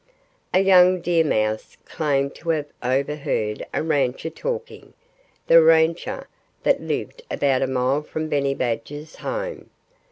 A young deer mouse claimed to have overheard a rancher talking the rancher that lived about a mile from Benny Badger's home.